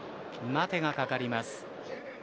待てがかかります。